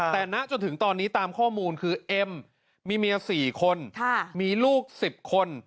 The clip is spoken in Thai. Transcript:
แต่ณจนถึงตอนนี้ตามข้อมูลคือเอ็มมีเมีย๔คนมีลูก๑๐คน